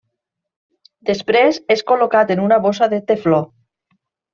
Després és col·locat en una bossa de tefló.